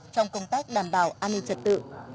trong công tác đảm bảo an ninh trật tự